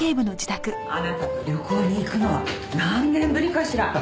あなたと旅行に行くのは何年ぶりかしら。